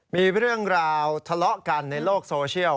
มีเรื่องราวทะเลาะกันในโลกโซเชียล